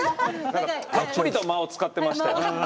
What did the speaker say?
たっぷりと間を使ってましたよ。